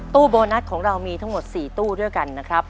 โบนัสของเรามีทั้งหมด๔ตู้ด้วยกันนะครับ